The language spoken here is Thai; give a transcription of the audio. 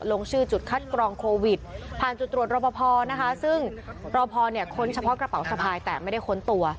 ลงชื่อจุดคัดกรองโควิดผ่านจุดตรวจรอปภนะคะซึ่งรอพอเนี่ยค้นเฉพาะกระเป๋าสะพายแต่ไม่ได้ค้นตัว